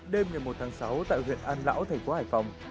đêm ngày một tháng sáu tại huyện an lão thành phố hải phòng